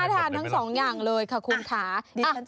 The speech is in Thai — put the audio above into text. ตั้ง๒อย่างคุณฐาน